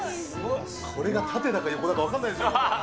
これが縦だか横だか分かんないでしょ。